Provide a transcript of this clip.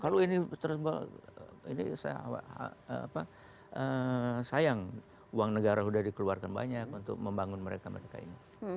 kalau ini terus ini sayang uang negara sudah dikeluarkan banyak untuk membangun mereka mereka ini